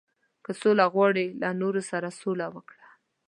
• که سوله غواړې، له نورو سره سوله وکړه.